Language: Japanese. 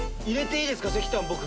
いいですよ。